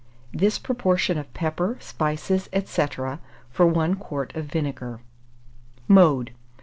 This proportion of pepper, spices, &c., for 1 quart of vinegar. Mode.